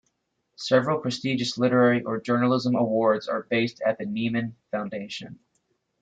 Several prestigious literary or journalism awards are based at the Nieman Foundation.